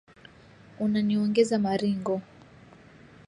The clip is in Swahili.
Unaniongeza maringo.